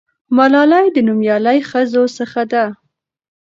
ملالۍ د نومیالۍ ښځو څخه ده.